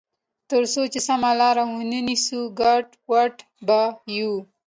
تر څو چې سمه لار ونه نیسو، ګډوډ به یو.